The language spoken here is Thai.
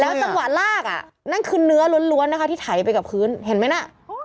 จังหวะลากอ่ะนั่นคือเนื้อล้วนนะคะที่ไถไปกับพื้นเห็นไหมน่ะ